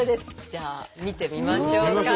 じゃあ見てみましょうか。